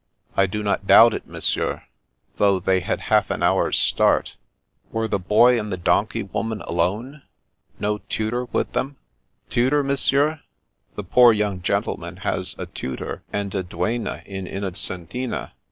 I do not doubt it, Monsieur, though they had half an hour's start." "Were the boy and the donkey woman alone? No tutor with them ?"" Tutor, Monsieur ? The poor young gentleman has a tutor and a duenna in Innocentina.